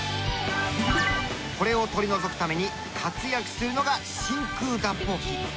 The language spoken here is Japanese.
これを取り除くために活躍するのが真空脱泡機。